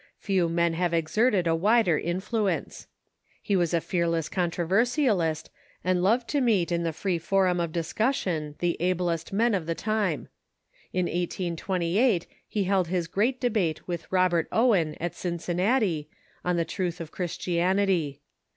Few men have exerted a wider influence. He was a fearless controversialist, and loved to meet in the free fo rum of discussion the ablest men of the time. In 1828 he held his great debate with Robert Owen at Cincinnati, on the truth of Christianity.